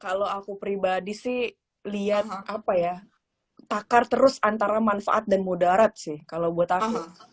kalau aku pribadi sih lihat apa ya takar terus antara manfaat dan mudarat sih kalau buat aku